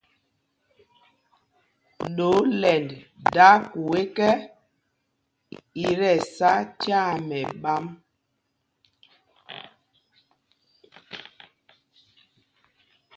Ɗɛ olɛnd daa kuu ekɛ́, i tí ɛsá tyaa mɛɓám.